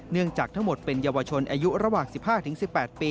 เนื่องจากทั้งหมดเป็นเยาวชนอายุระหว่าง๑๕๑๘ปี